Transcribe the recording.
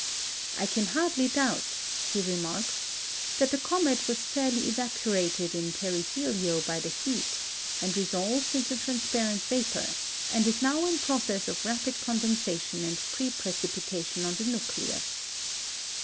"I can hardly doubt," he remarks, "that the comet was fairly evaporated in perihelio by the heat, and resolved into transparent vapour, and is now in process of rapid condensation and re precipitation on the nucleus."